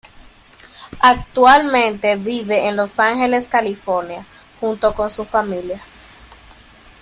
Actualmente vive en Los Ángeles, California, junto con su familia.